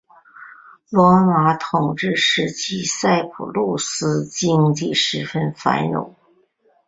罗马统治时期塞浦路斯经济十分繁荣。